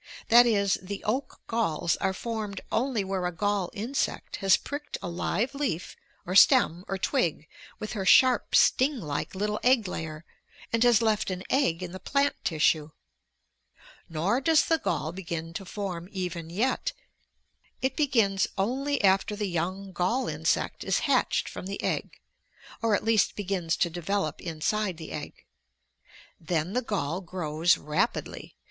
That is, the oak galls are formed only where a gall insect has pricked a live leaf or stem or twig with her sharp, sting like little egg layer, and has left an egg in the plant tissue. Nor does the gall begin to form even yet. It begins only after the young gall insect is hatched from the egg, or at least begins to develop inside the egg. Then the gall grows rapidly.